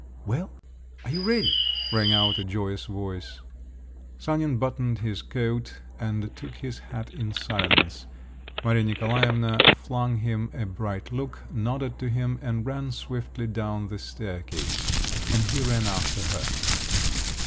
"Well? are you ready?" rang out a joyous voice. Sanin buttoned his coat, and took his hat in silence. Maria Nikolaevna flung him a bright look, nodded to him, and ran swiftly down the staircase. And he ran after her.